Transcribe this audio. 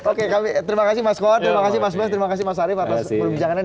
oke terima kasih mas koad terima kasih mas bas terima kasih mas arief atas perbincangannya